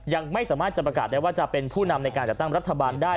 ยังไม่สามารถจะประกาศได้ว่าจะเป็นผู้นำในการจัดตั้งรัฐบาลได้